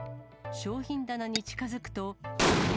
商品棚に近づくと。